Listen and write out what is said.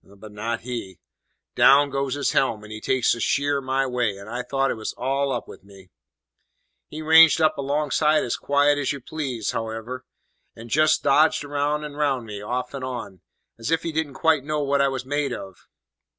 But not he. Down goes his helm, and he takes a sheer my way, and I thought it was all up with me. "He ranged up alongside as quiet as you please, hows'ever, and just dodged round and round me, off and on, as if he didn't quite know what I was made of.